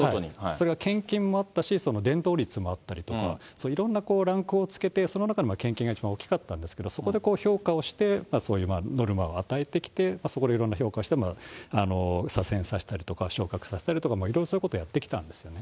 それが献金もあったし、伝導率もあったりとか、いろんなランクをつけて、その中で献金が一番大きかったんですけど、そこで評価をして、そういうノルマを与えてきて、そこでいろんな評価をして、左遷させたりとか、昇格させたりとかいろいろなことをやってきたんですね。